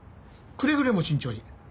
くれぐれも慎重に。